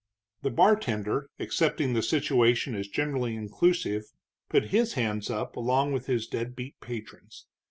The bartender, accepting the situation as generally inclusive, put his hands up along with his deadbeat patrons.